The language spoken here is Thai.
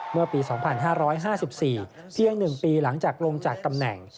เมื่อปี๒๕๕๔เพียง๑ปีหลังจากลงจากตำแหน่ง